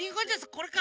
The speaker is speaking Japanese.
これか。